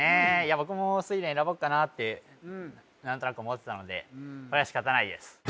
僕も「睡蓮」選ぼうかなって何となく思ってたのでこれは仕方ないです